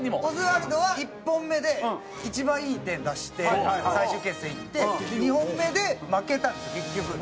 オズワルドは１本目で一番いい点出して最終決戦いって２本目で負けたんです結局。